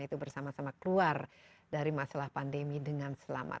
itu bersama sama keluar dari masalah pandemi dengan selamat